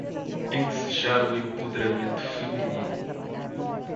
Ensejar o empoderamento feminino